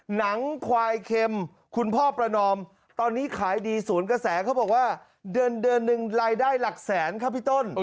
หนังควายเค็มคุณพ่อประนอมตอนนี้ขายดีศูนย์กระแสเขาบอกว่าเดือนหนึ่งรายได้หลักแสนครับพี่ต้น